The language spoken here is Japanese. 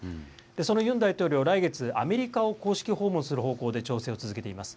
そのユン大統領、来月、アメリカを公式訪問する方向で調整を続けています。